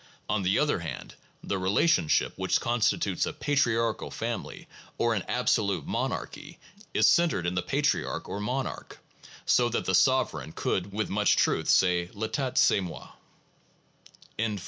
On the other hand the relationship which constitutes a patriarchal family or an absolute monarchy is centered in the patriarch or monarch, so that the sovereign could with much truth say Vital c'esl moi.